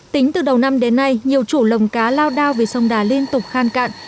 tính từ đầu năm đến nay nhiều chủ lồng cá lao đao vì sông đà liên tục khan cạn